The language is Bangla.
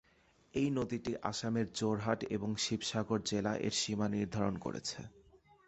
এই নদীটি আসামের যোরহাট এবং শিবসাগর জেলা-এর সীমা নির্ধারণ করেছে।